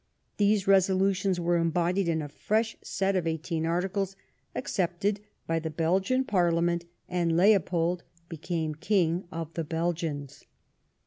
These resolutions were embodied in a fresh set of eighteen ' articles, accepted by the Belgian Parliament, and Leo pold became King of the Belgians.